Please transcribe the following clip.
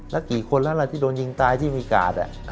แล้วกี่คนแล้วล่ะที่โดนยิงตายที่มีกาด